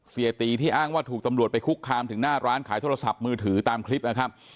เสียตีที่อ้างว่าถูกตำรวจไปคุกคามถึงหน้าร้านขายโทรศัพท์มือถือตามคลิปนะครับ